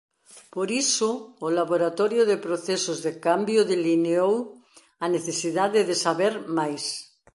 Por iso o Laboratorio de Procesos de Cambio delineou a necesidade de saber máis.